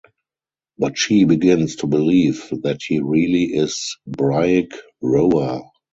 But she begins to believe that he really is Briac Roa.